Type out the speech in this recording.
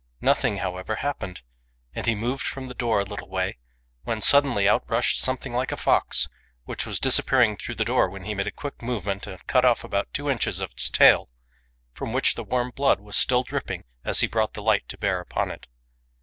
Nothing, however, happened, and he moved from the door a little way, when suddenly out rushed something like a fox, which was disappearing through the door, when he made a quick movement and cut off about two inches of its tail, from which the warm blood was still dripping as he brought the light to bear upon it.